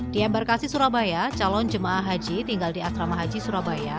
di embarkasi surabaya calon jemaah haji tinggal di asrama haji surabaya